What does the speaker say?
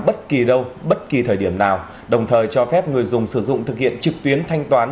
bất kỳ đâu bất kỳ thời điểm nào đồng thời cho phép người dùng sử dụng thực hiện trực tuyến thanh toán